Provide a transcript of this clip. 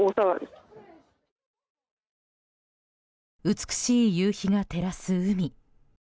美しい夕日が照らす海。